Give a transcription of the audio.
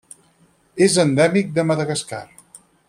És endèmic de Madagascar.